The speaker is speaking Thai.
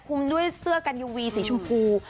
ด้วยเสื้อกันยูวีสีชมพู